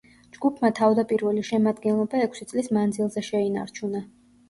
ჯგუფმა თავდაპირველი შემადგენლობა ექვსი წლის მანძილზე შეინარჩუნა.